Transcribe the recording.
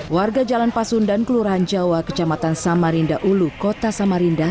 warga jalan pasundan kelurahan jawa kecamatan samarinda ulu kota samarinda